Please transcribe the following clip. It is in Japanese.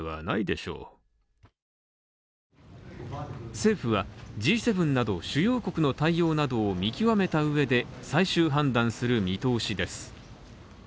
政府は、Ｇ７など主要国の対応などを見極めた上で最終判断する見通しです。